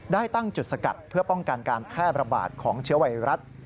ได้ตั้งจุดสกัดเพื่อป้องกันการแพร่ระบาดของเชื้อไวรัส